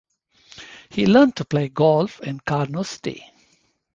He learned to play golf in Carnoustie.